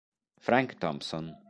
Frank Thompson